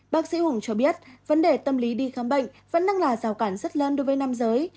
bác sĩ hùng cho biết vấn đề tâm lý đi khám bệnh vẫn đang là rào cản rất lớn đối với nam giới